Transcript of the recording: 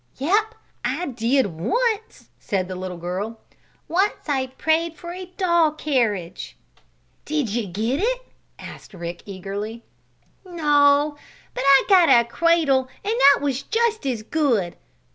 "Yep! I did once!" said the little girl. "Once I prayed for a doll carriage." "Did you get it?" asked Rick, eagerly. "No, but I got a cradle and that was just as good.